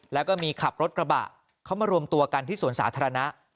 แล้วก็มีขับรถกระบะเข้ามารวมตัวกันที่สวนสาธารณะ